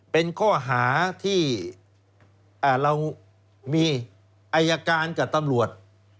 เป็นข้อหาที่เรามีอายการกับตำรวจ